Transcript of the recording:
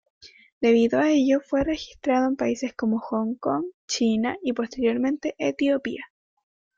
Debido a ello fue registrado en países como Hong Kong, China y posteriormente Etiopía.